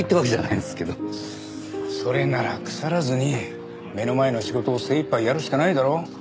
それなら腐らずに目の前の仕事を精いっぱいやるしかないだろ。